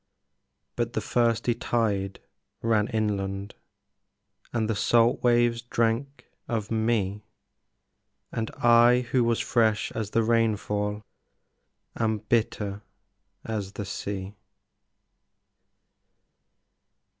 But the thirsty tide ran inland, And the salt waves drank of me, And I who was fresh as the rainfall Am bitter as the sea.